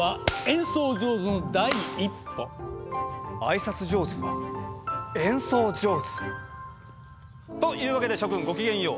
あいさつ上手は演奏上手？というわけで諸君ご機嫌よう。